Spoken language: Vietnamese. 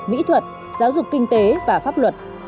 mỹ thuật giáo dục kinh tế và pháp luật